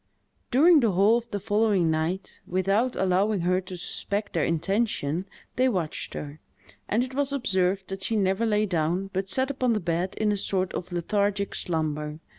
During the whole of the following night, without allowing her to suspect their intention, they watched her; and it was observed that she never lay down, but sat upon the bed in a sort of lethargic slumber.